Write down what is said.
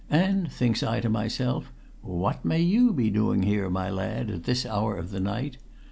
"And thinks I to myself, 'What may you be doing here, my lad, at this hour of the night?'